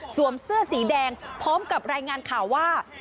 เสื้อสีแดงพร้อมกับรายงานข่าวว่า